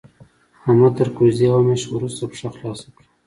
احمد تر کوزدې يوه مياشت روسته پښه خلاصه کړه.